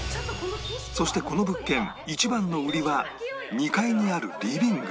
そしてこの物件一番の売りは２階にあるリビング